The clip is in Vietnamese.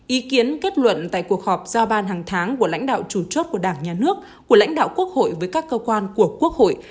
ý kiến kết luận tại cuộc họp giao ban hàng tháng của lãnh đạo chủ chốt của đảng nhà nước của lãnh đạo quốc hội với các cơ quan của quốc hội